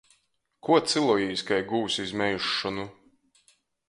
Kuo cylojīs kai gūvs iz meizšonu?